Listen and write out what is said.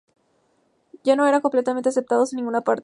Ya no eran completamente aceptados en ninguna parte.